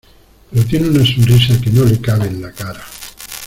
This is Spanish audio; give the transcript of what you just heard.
pero tiene una sonrisa que no le cabe en la cara.